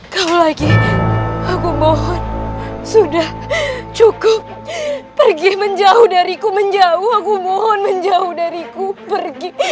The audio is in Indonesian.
kau lagi aku mohon sudah cukup pergi menjauh dariku menjauh aku mohon menjauh dariku pergi